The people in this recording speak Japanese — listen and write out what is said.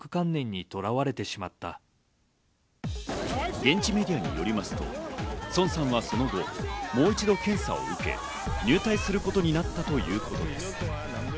現地メディアによりますと、ソンさんはその後、もう一度検査を受け入隊することになったということです。